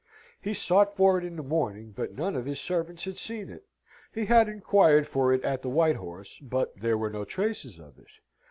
He sought for it in the morning, but none of his servants had seen it. He had inquired for it at the White Horse, but there were no traces of it.